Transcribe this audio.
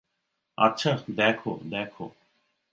আচ্ছা, দ্যাখো, দ্যাখো।